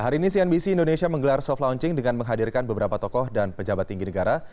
hari ini cnbc indonesia menggelar soft launching dengan menghadirkan beberapa tokoh dan pejabat tinggi negara